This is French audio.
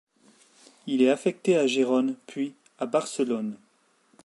Il est affecté à Gérone, puis à Barcelone.